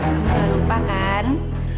kamu udah lupa kan